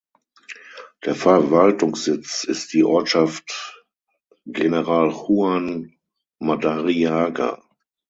Der Verwaltungssitz ist die Ortschaft General Juan Madariaga.